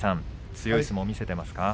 強い相撲を見せていますか？